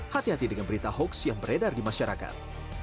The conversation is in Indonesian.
hati hati dengan berita hoax yang beredar di masyarakat